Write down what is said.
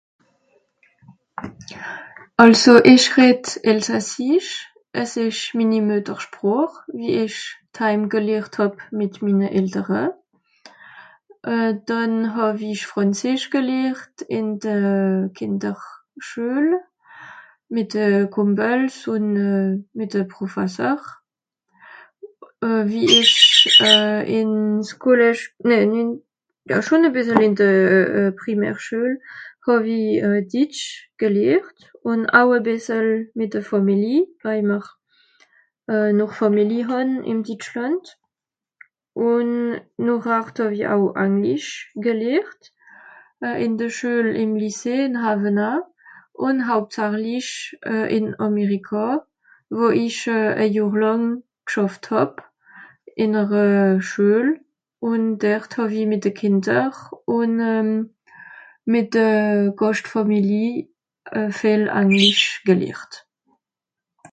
àlso ich redd Elsassisch, es isch mini Muetersproch, wie ich d heim gelehrt hàb mit minne Eltere. Euh dànn hàw ich Frànzeesch gelehrt in de Kinderschuel mit de Kompels un euh mit de Profasser. Euh wie ich euh in s Collège, nä, nimm, ja schon e bissel in de euh Primaire Schuel hàw i euh Ditsch gelehrt, un au e bissel mit de Fàmeli, weil mr euh noch Fàmeli hàn, im Ditschlànd. Un nochhart hàw i au Anglisch gelehrt, euh in de Schuel im Lycée in Hawenaa, un hauptsachlich euh in Àmerikà, wo ich euh e Johr làng geschàfft hàb, in ere Schuel. Un dert hàw i mit de Kinder un euhm mit de Gàschtfàmeli viel Anglisch gelehrt